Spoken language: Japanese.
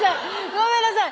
ごめんなさい！